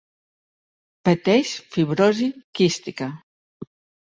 Pateix fibrosi quística.